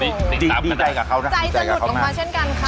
ใจจัดหลุดของเขาเช่นกันค่ะ